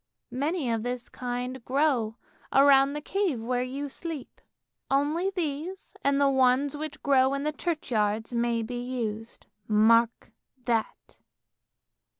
Many of this kind grow round the cave where you sleep; only these and the ones which grow in the churchyards may be used. Mark that!